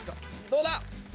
どうだ？